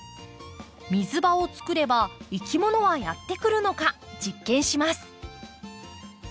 水場を作ればいきものはやって来るのか実験します。